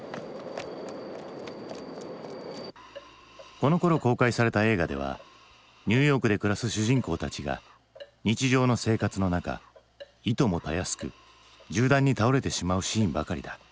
このころ公開された映画ではニューヨークで暮らす主人公たちが日常の生活の中いともたやすく銃弾に倒れてしまうシーンばかりだ。